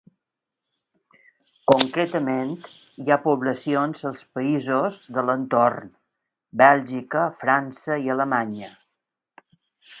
Concretament, hi ha poblacions als països de l'entorn, Bèlgica, França i Alemanya.